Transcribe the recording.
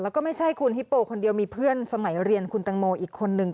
แล้วก็ไม่ใช่คุณฮิปโปคนเดียวมีเพื่อนสมัยเรียนคุณตังโมอีกคนนึง